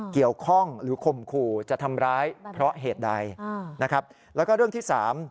เกี่ยวข้องหรือคมขู่จะทำร้ายเพราะเหตุใด